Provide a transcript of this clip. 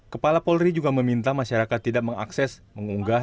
kepala polri juga meminta masyarakat tidak mengakses mengunggah